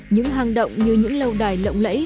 những hàng động như những lâu đài lộng lẫy